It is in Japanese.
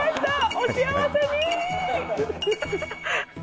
お幸せに！